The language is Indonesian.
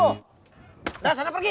udah sana pergi